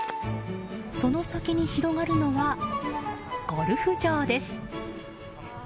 その先に広がるのはゴルフ場です。